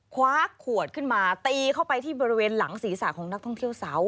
คว้าขวดขึ้นมาตีเข้าไปที่บริเวณหลังศีรษะของนักท่องเที่ยวสาว